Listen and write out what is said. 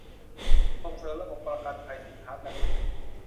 ส่งเสริมระบบประกันภัยสินค้าเกษตร